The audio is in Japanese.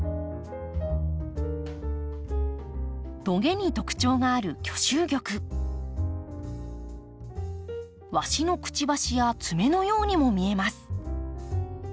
トゲに特徴がある鷲のくちばしや爪のようにも見えます。